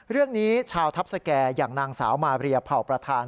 เรื่องนี้ชาวทัพสแก่อย่างนางสาวมาเรียเผ่าประธาน